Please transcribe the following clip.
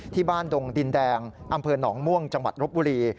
ดงดินแดงอำเภอหนองม่วงจังหวัดรบบุรี